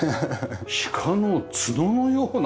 鹿の角のような。